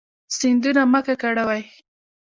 سیندونه مه ککړوئ